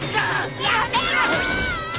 やめろ！